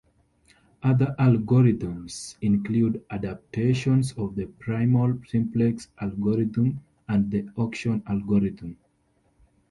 Other algorithms include adaptations of the primal simplex algorithm, and the auction algorithm.